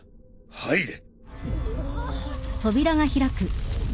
入れ。